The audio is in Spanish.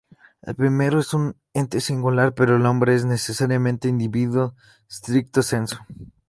El primero es un "ente singular", pero el hombre es necesariamente individuo stricto sensu.